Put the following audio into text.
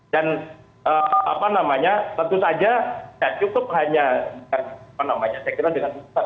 dan tentu saja tidak cukup hanya sekretas